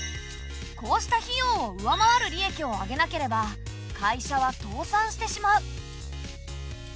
こうした費用を上回る利益を上げなければ会社は倒産してしまう。